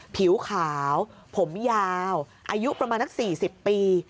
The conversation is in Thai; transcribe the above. ผิวขาวผมยาวอายุประมาณนัก๔๐ปี